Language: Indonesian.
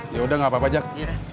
ya udah gak apa apa aja